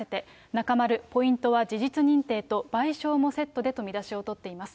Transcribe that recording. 中丸、ポイントは事実認定と賠償もセットでと見出しを取っています。